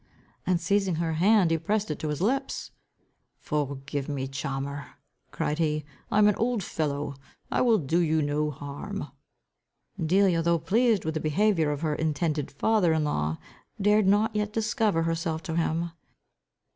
And seizing her hand he pressed it to his lips. "Forgive me, charmer," cried he, "I am an old fellow. I will do you no harm." Delia, though pleased with the behaviour of her intended father in law, dared not yet discover herself to him.